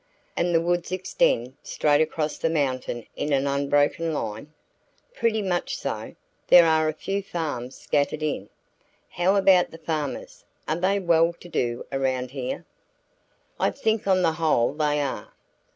"And the woods extend straight across the mountain in an unbroken line?" "Pretty much so. There are a few farms scattered in." "How about the farmers? Are they well to do around here?" "I think on the whole they are."